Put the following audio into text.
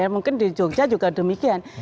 mungkin di jogja juga demikian